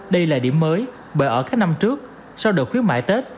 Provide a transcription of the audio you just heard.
đây là điểm mới bởi ở các năm trước sau đợt khuyến mại tết